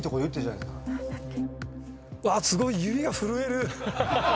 うわっすごい指が震える。